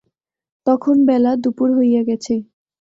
তখন বেলা দুপুর হইয়া গেছে।